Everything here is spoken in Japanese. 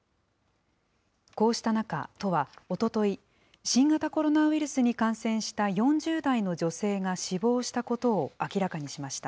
こうした中、都はおととい、新型コロナウイルスに感染した４０代の女性が死亡したことを明らかにしました。